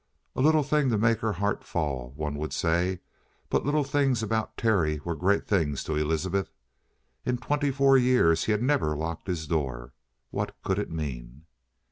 A little thing to make her heart fall, one would say, but little things about Terry were great things to Elizabeth. In twenty four years he had never locked his door. What could it mean?